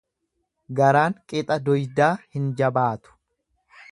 Garaan qixa duydaa hin jabaatu.